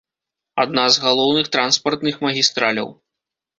Адна з галоўных транспартных магістраляў.